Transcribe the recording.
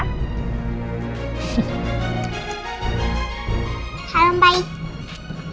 halo om baik